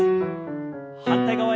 反対側へ。